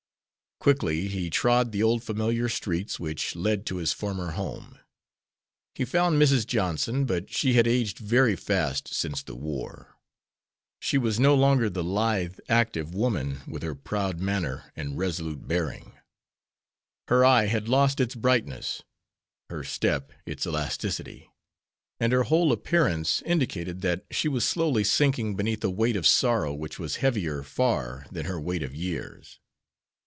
Quickly he trod the old familiar streets which led to his former home. He found Mrs. Johnson, but she had aged very fast since the war. She was no longer the lithe, active woman, with her proud manner and resolute bearing. Her eye had lost its brightness, her step its elasticity, and her whole appearance indicated that she was slowly sinking beneath a weight of sorrow which was heavier far than her weight of years.